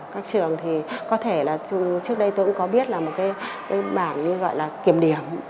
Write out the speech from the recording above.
các trường thì có thể là trước đây tôi cũng có biết là một cái bảng như gọi là kiểm điểm